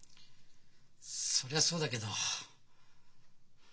そりゃそうだけど。